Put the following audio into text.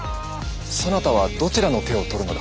そなたはどちらの手を取るのだ。